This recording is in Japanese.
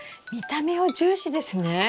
見た目を重視ですね。